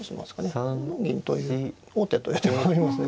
５四銀という王手という手もありますね